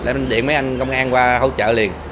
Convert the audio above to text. em điện mấy anh công an qua hỗ trợ liền